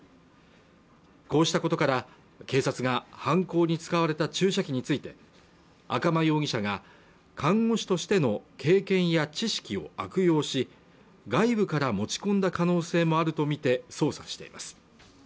こうしたことから警察が犯行に使われた注射器について赤間容疑者が看護師としての経験や知識を悪用し外部から持ち込んだ可能性もあるとみて捜査しています